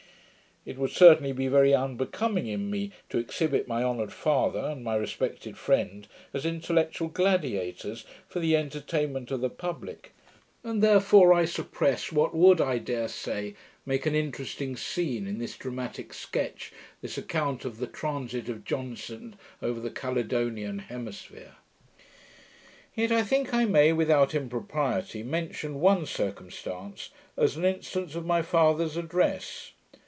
It would certainly be very unbecoming in me to exhibit my honoured father, and my respected friend, as intellectual gladiators, for the entertainment of the publick; and therefore I suppress what would, I dare say, make an interesting scene in this dramatick sketch this account of the transit of Johnson over the Caledonian hemisphere. Yet I think I may, without impropriety, mention one circumstance, as an instance of my father's address.